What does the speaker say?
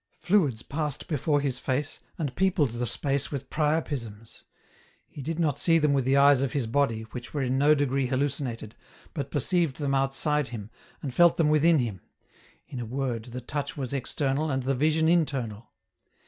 Fluids passed before his face, and peopled the space with priapisms. He did not see them with the eyes of his body, which were in no degree hallucinated, but perceived them outside him, and felt them within him ; in a word, the touch was external, and the vision internal.